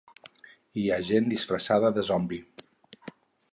hi ha gent disfressada de zombi.